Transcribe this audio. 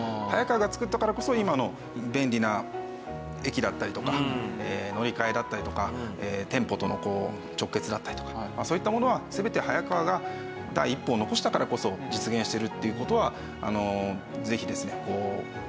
早川がつくったからこそ今の便利な駅だったりとか乗り換えだったりとか店舗との直結だったりとかそういったものは全て早川が第一歩を残したからこそ実現してるっていう事はぜひですね